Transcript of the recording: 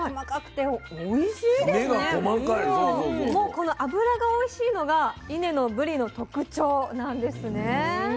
この脂がおいしいのが伊根のぶりの特徴なんですね。